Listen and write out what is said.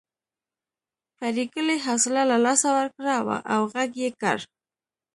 پريګلې حوصله له لاسه ورکړه او غږ یې کړ